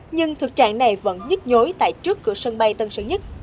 nhưng thực trạng này vẫn nhít nhối tại trước cửa sân bay tân sứ nhất